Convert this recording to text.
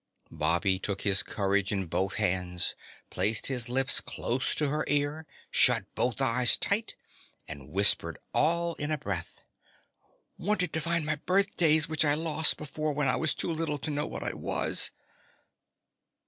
Bobby took his courage in both hands, placed his lips close to her ear, shut both eyes tight, and whispered all in a breath: "Wanted to find my birthdays which I lost before when I was too little to know what it was."